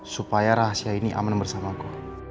supaya rahasia ini aman bersamaku